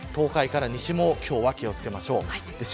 東海から西も今日は気を付けましょう。